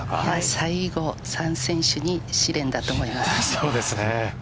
最後、３選手に試練だと思います。